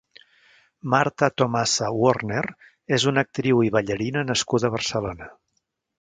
Marta Tomasa Worner és una actriu i ballarina nascuda a Barcelona.